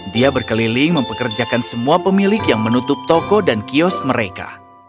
dia berkeliling mempekerjakan semua pemilik yang menutup toko dan kios mereka